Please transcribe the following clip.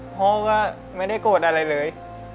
พ่อก็ไม่ได้โกรธอะไรเลย